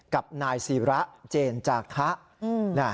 กับนายสีระเจนจากฮะ